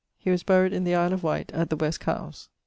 He was buryed in the Isle of Wight at the west Cowes.